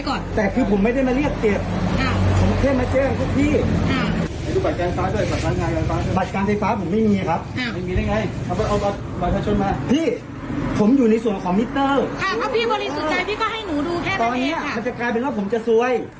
ตอนนี้มันจะกลายเป็นว่าผมจะซวย